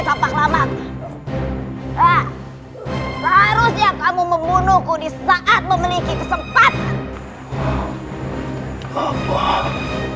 tak lama harusnya kamu membunuhku disaat memiliki kesempatan